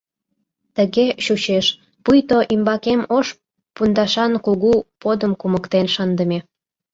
Тыге чучеш, пуйто ӱмбакем ош пундашан кугу подым кумыктен шындыме.